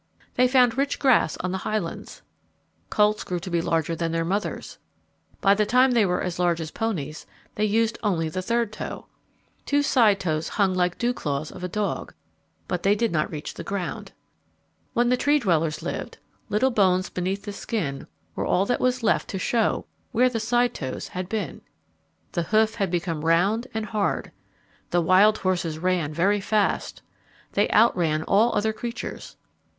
They found rich grass on the highlands. Colts grew to be larger than their mothers. By the time they were as large as ponies they used only the third toe. Two side toes hung like the dew claws of a dog, but they did not reach the ground. When the Tree dwellers lived, little bones beneath the skin were all that was left to show where the side toes had been. The hoof had become round and hard. The wild horses ran very fast. They outran all other creatures.